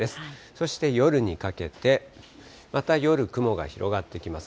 そして夜にかけて、また夜、雲が広がってきます。